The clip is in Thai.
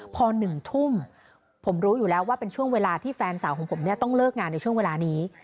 พอ๑ทุ่มผมรู้อยู่แล้วว่าเป็นช่วงเวลาที่แฟนสาวของผมเนี่ยต้องเลิกงานในช่วงเวลานี้